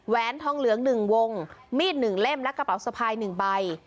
แวนทองเหลืองหนึ่งวงมีดหนึ่งเล่มและกระเป๋าสะพายหนึ่งใบ